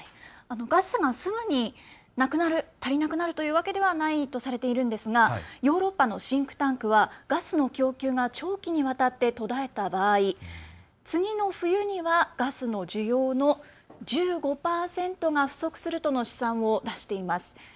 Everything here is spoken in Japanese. ガスがすぐになくなる足りなくなるわけではないとされているんですがヨーロッパのシンクタンクはガスの供給が長期にわたって途絶えた場合、次の冬にはガスの需要の１５％が不足するとの試算を出しています。